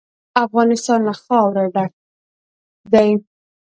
افغانستان له خاوره ډک دی.